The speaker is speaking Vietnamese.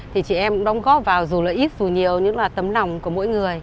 thì chị em cũng đóng góp vào dù là ít dù nhiều những tấm nòng của mỗi người